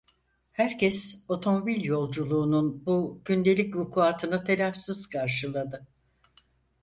Herkes otomobil yolculuğunun bu gündelik vukuatını telaşsız karşıladı.